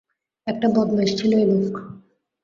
একটা বদমাইশ ছিল এই লোক!